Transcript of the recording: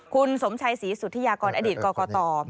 คุณสมชัยศรีสุธิยากรอดีตกรกต